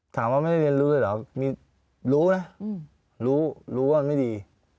ถามว่าไม่ได้เรียนรู้เลยเหรอรู้นะรู้รู้ว่าไม่ดี